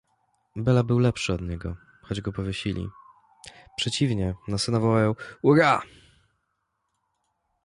"Bela był lepszy od niego, choć go powiesili; przeciwnie na syna wołają: urra!"